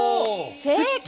正解！